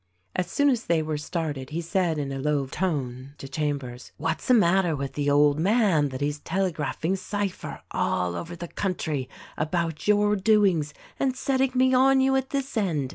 As soon as they were started he said in a low tone to Chambers, "What's the matter with the old man that he's telegraphing cypher all over the country about your doings and setting me on you at this end?"